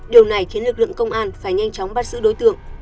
điều này khiến lực lượng công an phải nhanh chóng bắt giữ đối tượng